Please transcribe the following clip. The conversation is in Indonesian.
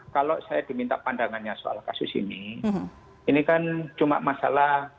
kalau saya diminta pandangannya soal kasus ini ini kan cuma masalah